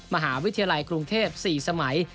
มหาวิทยาลัยกรุงเทพ๔สมัย